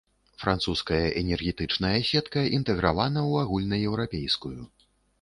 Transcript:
Французская энергетычная сетка інтэгравана ў агульнаеўрапейскую.